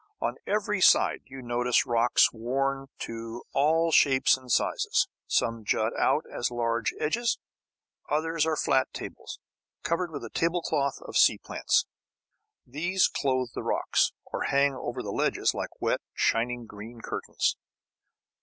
On every side you notice rocks worn to all shapes and sizes. Some jut out as sharp ledges. Others are flat tables, covered with a table cloth of sea plants. These clothe the rocks, or hang over the ledges like wet, shining green curtains.